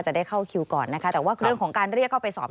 ได้เข้าคิวก่อนนะคะแต่ว่าเรื่องของการเรียกเข้าไปสอบ